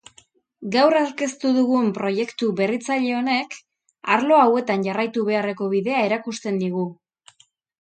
Gaur aurkeztu dugun proiektu berritzaile honek arlo hauetan jarraitu beharreko bidea erakusten digu.